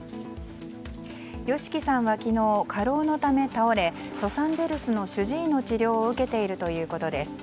ＹＯＳＨＩＫＩさんは昨日過労のため倒れロサンゼルスの主治医の治療を受けているということです。